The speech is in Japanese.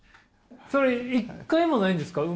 それ一回もないんですか？